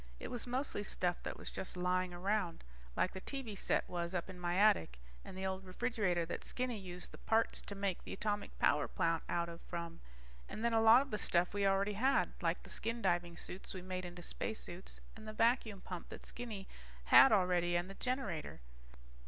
It was mostly stuff that was just lying around. Like the TV set was up in my attic, and the old refrigerator that Skinny used the parts to make the atomic power plant out of from. And then, a lot of the stuff we already had. Like the skin diving suits we made into spacesuits and the vacuum pump that Skinny had already and the generator.